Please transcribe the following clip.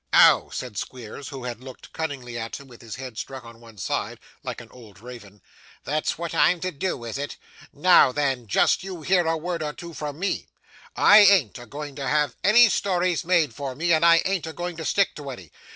'Oh!' said Squeers, who had looked cunningly at him, with his head stuck on one side, like an old raven. 'That's what I'm to do, is it? Now then, just you hear a word or two from me. I an't a going to have any stories made for me, and I an't a going to stick to any.